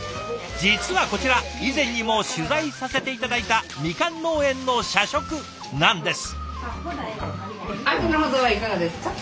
実はこちら以前にも取材させて頂いたみかん農園の社食なんです。